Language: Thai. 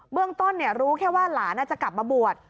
เรื่องต้นรู้แค่ว่าหลานอาจจะกลับมาบวช